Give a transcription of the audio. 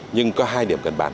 nhưng có hai điểm cân bản